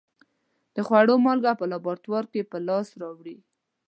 د خوړو مالګه په لابراتوار کې په لاس راوړي.